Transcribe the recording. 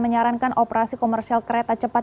menyarankan operasi komersial kereta cepat